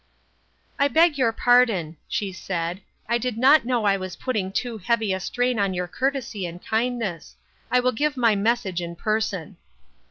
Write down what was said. " I beg your pardon," she said ;" I did not know I was putting too heavy a strain on your courtesy and kindness ; I will give my message in person."